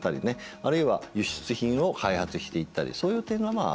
あるいは輸出品を開発していったりそういう点がまあ